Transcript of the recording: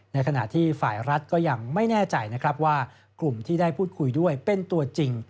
ในขณะที่ฝ่ายรัฐก็ยังไม่แน่ใจนะครับว่ากลุ่มที่ได้พูดคุยด้วยเป็นตัวจริง